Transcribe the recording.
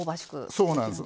そうなんです。